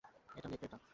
এটা নেকড়ের ডাক।